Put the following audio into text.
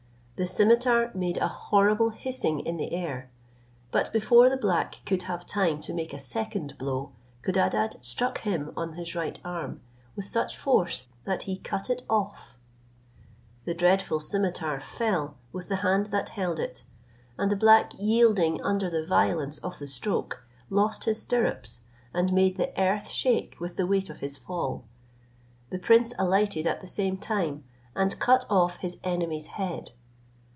The scimitar made a horrible hissing in the air: but, before the black could have time to make a second blow, Codadad struck him on his right arm, with such force, that he cut it off. The dreadful scimitar fell with the hand that held it, and the black yielding under the violence of the stroke, lost his stirrups, and made the earth shake with the weight of his fall. The prince alighted at the same time, and cut off his enemy's head.